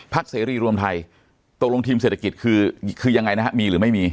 เสรีรวมไทยตกลงทีมเศรษฐกิจคือยังไงนะฮะมีหรือไม่มี